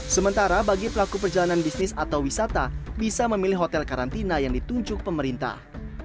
sementara bagi pelaku perjalanan bisnis atau wisata bisa memilih hotel karantina yang ditunjuk pemerintah